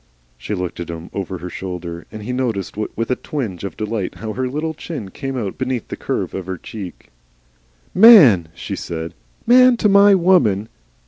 She looked at him over her shoulder, and he noticed with a twinge of delight how her little chin came out beneath the curve of her cheek. "MAN!" she said. "Man to MY woman!